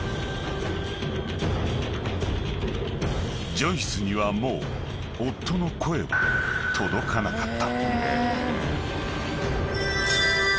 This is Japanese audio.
［ジョイスにはもう夫の声は届かなかった］